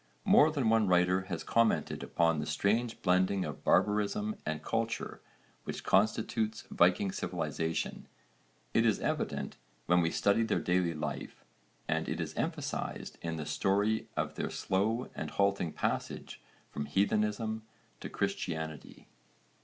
More than one writer has commented upon the strange blending of barbarism and culture which constitutes Viking civilisation: it is evident when we study their daily life, and it is emphasised in the story of their slow and halting passage from heathenism to Christianity.